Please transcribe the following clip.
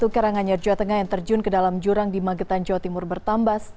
karanganyar jawa tengah yang terjun ke dalam jurang di magetan jawa timur bertambah